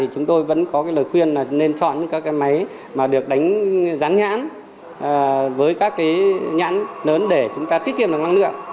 chúng tôi vẫn có lời khuyên là nên chọn các máy mà được đánh rán nhãn với các nhãn lớn để chúng ta tiết kiệm năng lượng